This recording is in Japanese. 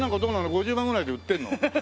５０万ぐらいで売ってるの？